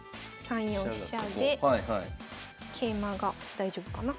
３四飛車で桂馬が大丈夫かな？